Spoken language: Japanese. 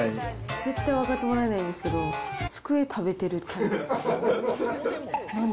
絶対分かってもらえないんですけど、机食べてる感じ。